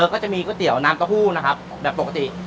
ก็จะมีก๋วยเตี๋ยวน้ำเต้าหู้นะครับแบบปกติ